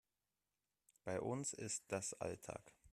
Bei uns ist das Alltag.